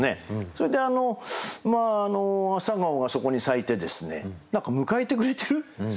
それで朝顔がそこに咲いて何か迎えてくれてる。